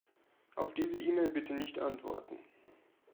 Auf diese E-Mail bitte nicht antworten.